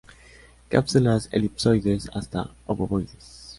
Cápsulas elipsoides hasta obovoides.